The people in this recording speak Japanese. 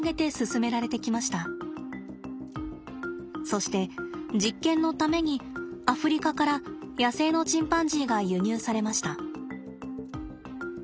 そして実験のためにアフリカから野生のチンパンジーが輸入されました。